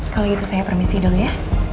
kalau gitu saya permisi dulu ya